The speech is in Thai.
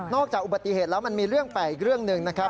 จากอุบัติเหตุแล้วมันมีเรื่องแปลกอีกเรื่องหนึ่งนะครับ